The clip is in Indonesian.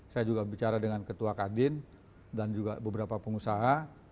saya juga bicara dengan ketua kadin dan juga beberapa pengusaha